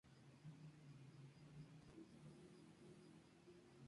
Aunque tienen los ojos rojos al nacer a los pocos días se vuelven marrones.